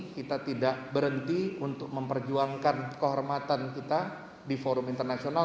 kita tidak berhenti untuk memperjuangkan kehormatan kita di forum internasional